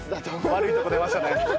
悪いとこ出ましたね。